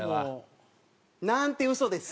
「なんて嘘です」